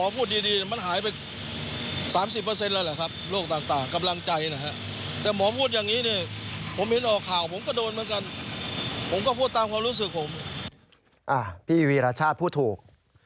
พี่วีรชาติพูดถูก